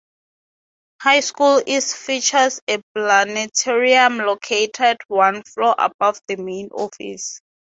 High School East features a Planetarium, located one floor above the main office.